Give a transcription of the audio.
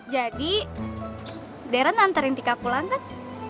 jadi deren nganterin tika pulang kan